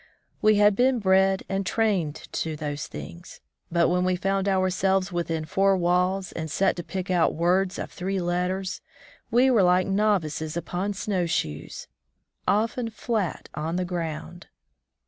We had been bred and trained to those things; but when we found ourselves within foiu* walls and set to pick out words of three letters we were like novices upon snow shoes — often flat on the ground.